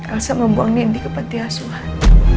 elsa membuang nini ke pentiasuhan